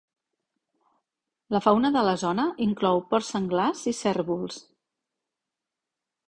La fauna de la zona inclou porc senglars i cérvols.